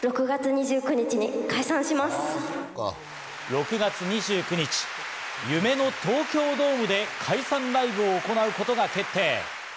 ６月２９日、夢の東京ドームで解散ライブを行うことが決定。